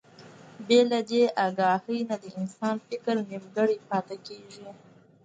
بې له دې اګاهي نه د انسان فکر نيمګړی پاتې کېږي.